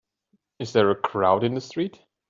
Is there a crowd in the street?